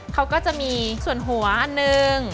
เขาก็จะมีส่วนหัวอันหนึ่ง